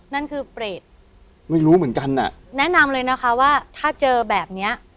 นั่นคือเปรตไม่รู้เหมือนกันอ่ะแนะนำเลยนะคะว่าถ้าเจอแบบเนี้ย